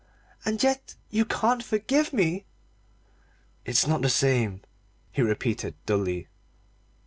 And yet you can't forgive me!" "It's not the same," he repeated dully.